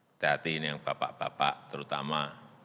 hati hati ini yang bapak bapak terutama